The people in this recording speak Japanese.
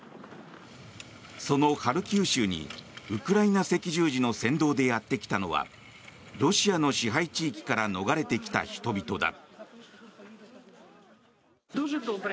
そのハルキウ州にウクライナ赤十字の先導でやってきたのはロシアの支配地域から逃れてきた人々だ。